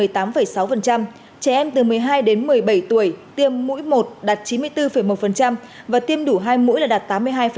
trẻ em từ một mươi hai đến một mươi bảy tuổi tiêm mũi một đạt chín mươi bốn một và tiêm đủ hai mũi là đạt tám mươi hai